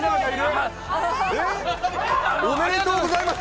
えっ？おめでとうございます。